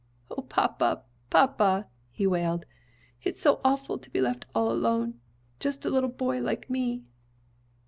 O, papa, papa!" he wailed. "It's so awful to be left all alone just a little boy like me!"